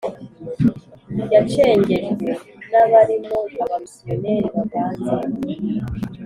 yacengejwe n’abarimo abamisiyoneri bavanze